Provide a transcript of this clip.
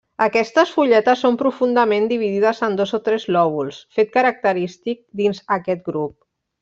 Aquestes fulletes són profundament dividides en dos o tres lòbuls, fet característic dins aquest grup.